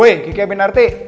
weh kiki abinarti